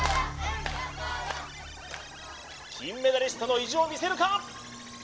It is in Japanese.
金メダリストの意地を見せるか！？